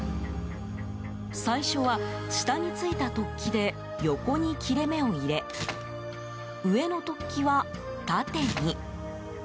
最初は、下についた突起で横に切れ目を入れ上の突起は縦に。